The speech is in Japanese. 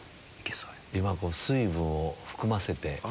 今水分を含ませて。